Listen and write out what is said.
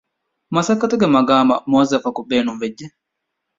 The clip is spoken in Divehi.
މަސައްކަތު މަޤާމަށް މުވައްޒަފަކު ބޭނުންވެއްޖެ